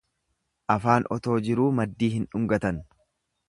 Afaan otoo jiruu maddii hin dhungatan.